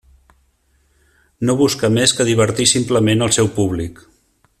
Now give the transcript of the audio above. No busca més que divertir simplement el seu públic.